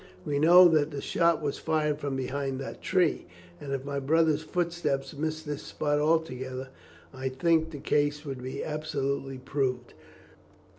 We know that the shot was fired from behind that tree and if my brother's footsteps miss this spot altogether, I think the case will be absolutely proved."